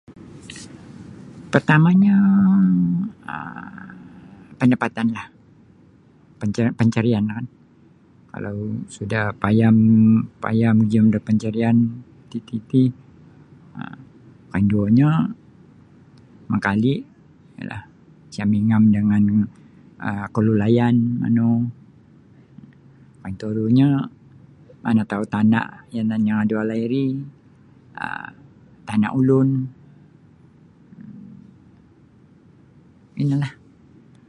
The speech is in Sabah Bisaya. Petamanyo um pendapatanlah panca pancarianlah kan kalau sudah paya paya mogium da pancarian tatiti um kainduonyo mengkali iyalah isa mingam dengan um kelulayan manu anturunyo manatau tana yang ada walai ri um tana ulun um inilah.